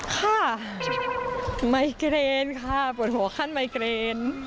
ค่ะไมเกรนค่ะปวดหัวขั้นไมเกรน